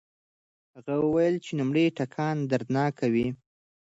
هغه وویل چې لومړی ټکان دردناک وي.